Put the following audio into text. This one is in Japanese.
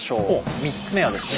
３つ目はですね